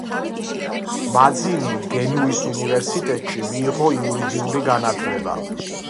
მაძინიმ გენუის უნივერსიტეტში მიიღო იურიდიული განათლება.